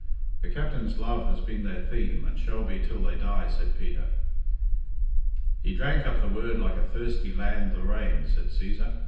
"The captain's love has been their theme, and shall be till they die," said Peter.'" "He drank up the Word like a thirsty land the rain," said Cæsar.